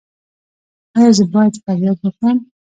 ایا زه باید فریاد وکړم؟